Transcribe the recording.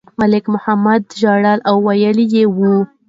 ملک محمد ژړل او ویلي یې وو.